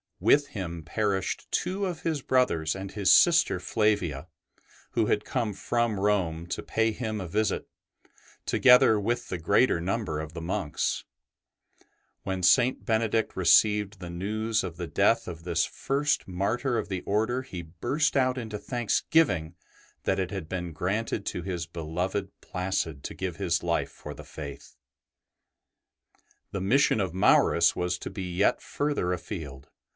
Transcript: With him perished two of his brothers and his sister Flavia, who had come from Rome to pay him a visit, together with the greater number of the monks. When St. Benedict received the news of the death of this first martyr of the Order, he * Canosa, or Canusium, a city in the Archdiocese of Bari, in Southern Italy. ST. BENEDICT 93 burst out into thanksgiving that it had been granted to his beloved Placid to give his life for the Faith. The mission of Maurus was to be yet further afield.